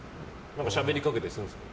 しゃべりかけたりするんですか。